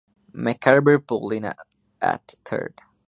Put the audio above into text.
McCarver pulled in at third.